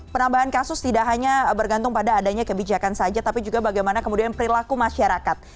penambahan kasus tidak hanya bergantung pada adanya kebijakan saja tapi juga bagaimana kemudian perilaku masyarakat